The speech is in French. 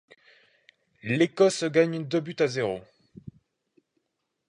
L'Écosse gagne deux buts à zéro.